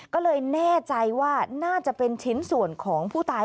ก็เลยแน่ใจว่าน่าจะเป็นชิ้นส่วนของผู้ตาย